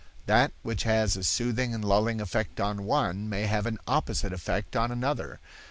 That which has a soothing and lulling effect on one, may have an opposite effect on another.